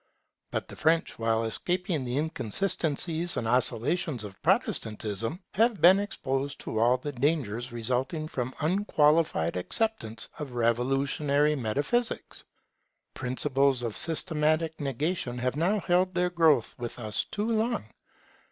But the French while escaping the inconsistencies and oscillations of Protestantism, have been exposed to all the dangers resulting from unqualified acceptance of revolutionary metaphysics. Principles of systematic negation have now held their ground with us too long.